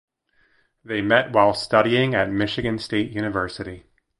They met while studying at Michigan State University.